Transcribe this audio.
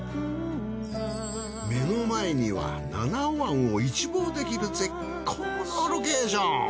目の前には七尾湾を一望できる絶好のロケーション。